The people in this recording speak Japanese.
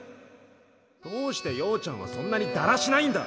どうしてようちゃんはそんなにだらしないんだ！